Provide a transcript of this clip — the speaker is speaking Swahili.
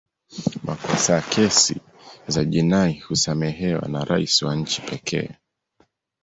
makosa ya kesi za jinai husamehewa na rais wa nchi pekee